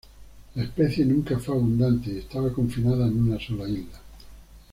La especie nunca fue abundante y estaba confinada en una sola isla.